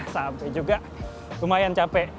sampai juga lumayan capek